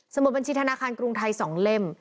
มุดบัญชีธนาคารกรุงไทย๒เล่ม